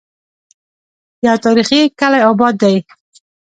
يو تاريخي کلے اباد دی